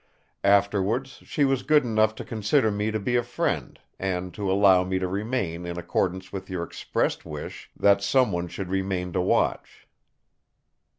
Afterwards she was good enough to consider me to be a friend, and to allow me to remain in accordance with your expressed wish that someone should remain to watch."